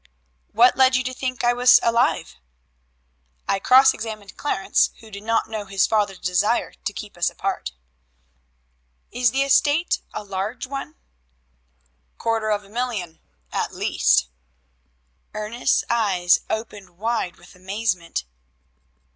"What led you to think I was alive?" "I cross examined Clarence, who did not know his father's desire to keep us apart." "Is the estate a large one?" "Quarter of a million, at least." Ernest's eyes opened wide with amazement.